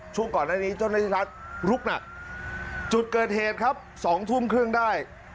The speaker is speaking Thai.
ก่อนหน้านี้เจ้าหน้าที่รัฐลุกหนักจุดเกิดเหตุครับ๒ทุ่มครึ่งได้